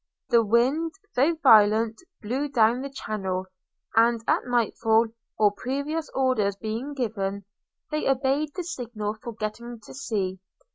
The wind, though violent, blew down the channel; and at nightfall, all previous orders being given, they obeyed the signal for getting to sea.